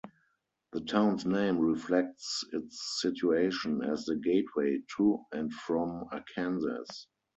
The town's name reflects its situation as the "gateway" to and from Arkansas.